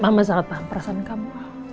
mama sangat paham perasaan kamu